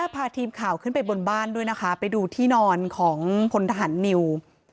พาทีมข่าวขึ้นไปบนบ้านด้วยนะคะไปดูที่นอนของพลทหารนิว